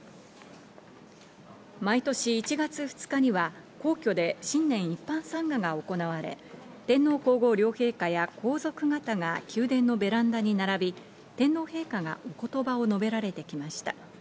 毎年１月２日には皇居で新年一般参賀が行われ、天皇皇后両陛下や皇族方が宮殿のベランダに並び、天皇陛下がお言葉を述べられてきました。